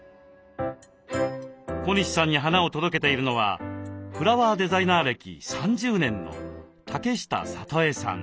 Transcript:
小西さんに花を届けているのはフラワーデザイナー歴３０年の竹下里枝さん。